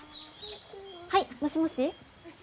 はいもしもし。